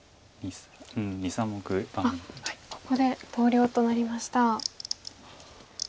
ここで投了となりました。